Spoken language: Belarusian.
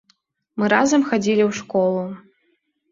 Мы разам хадзілі ў школу.